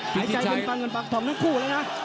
หายใจเป็นฟังเงินฟังธรรมนั้นคู่เลยนะ